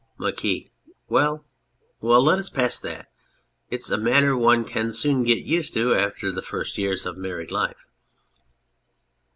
MARQUIS. Well, well, let us pass that : it is a matter one can soon get used to after the first years of married life.